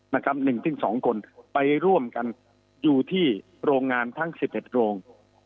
หนึ่งถึงสองคนไปร่วมกันอยู่ที่โรงงานทั้งสิบเอ็ดโรง